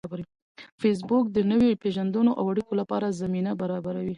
فېسبوک د نویو پیژندنو او اړیکو لپاره زمینه برابروي